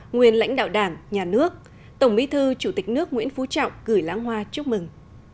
nguyên lãnh đạo đảng nhà nước tổng bí thư chủ tịch nước nguyễn phú trọng gửi lãng hoa chúc mừng